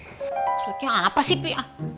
maksudnya apa sih pi